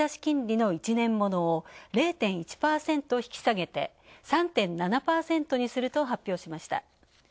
金利の１年物を０．１％引き下げて３．７％にすると発表しました。